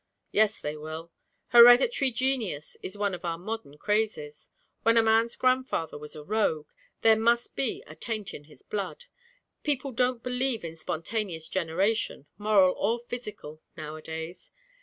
'Yes, they will. Hereditary genius is one of our modern crazes. When a man's grandfather was a rogue, there must be a taint in his blood. People don't believe in spontaneous generation, moral or physical, now a days.